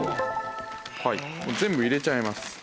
はい全部入れちゃいます。